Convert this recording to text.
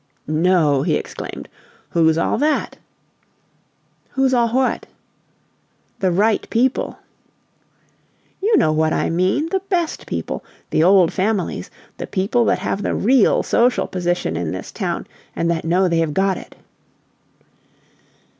"No!" he exclaimed. "Who's all that?" "Who's all what?" "The 'right people.'" "You know what I mean: the best people, the old families the people that have the real social position in this town and that know they've got it."